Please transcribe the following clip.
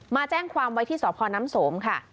มาแจ้งความไว้ที่สพน้ำสมค่ะ